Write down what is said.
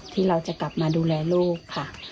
ที่เราจะกลับมาดูแลลูกค่ะ